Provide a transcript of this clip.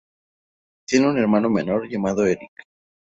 Tiene un hermano menor llamado Eric.